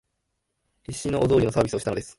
必死のお道化のサービスをしたのです